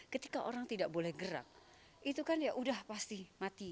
ketika orang tidak boleh gerak itu kan ya udah pasti mati